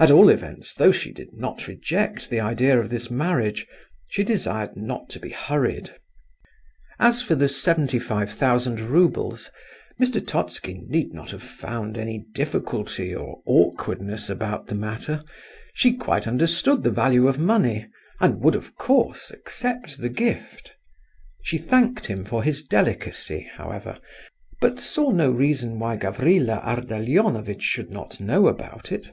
At all events, though she did not reject the idea of this marriage, she desired not to be hurried. As for the seventy five thousand roubles, Mr. Totski need not have found any difficulty or awkwardness about the matter; she quite understood the value of money, and would, of course, accept the gift. She thanked him for his delicacy, however, but saw no reason why Gavrila Ardalionovitch should not know about it.